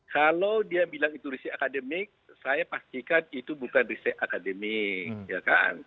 kalau dia bilang itu riset akademik saya pastikan itu bukan riset akademik ya kan